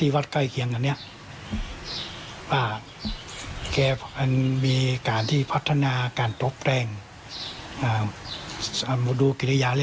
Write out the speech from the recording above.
เพราะว่าถ้าทุกหนึ่งด้วยก็ได้